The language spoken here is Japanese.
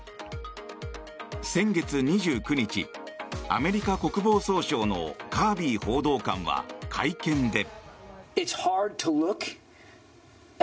先月２９日アメリカ国防総省のカービー報道官は会見で。